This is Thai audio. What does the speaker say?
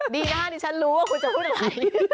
ดีนะครับนี่ชั้นรู้ว่าคุณจะพูดอะไร